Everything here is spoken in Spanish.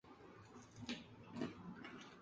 Actualmente el estadio esta en estado de abandono.